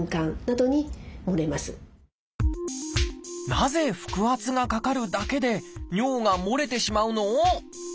なぜ腹圧がかかるだけで尿がもれてしまうの？